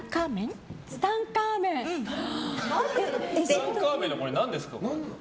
ツタンカーメンの何ですか？